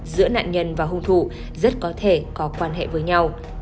giữa nạn nhân và hung thủ rất có thể có quan hệ với nhau